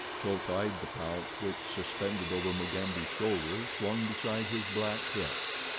Chulk eyed the pouch, which, suspended over Mugambi's shoulder, swung beside his black hip.